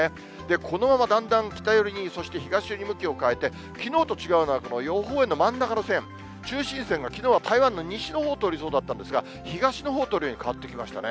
このままだんだん北寄りに、そして東寄りに向きを変えて、きのうと違うのは、この予報円の真ん中の線、中心線がきのうは台湾の西のほうを通りそうだったんですが、南のほうに通るように変わってきましたね。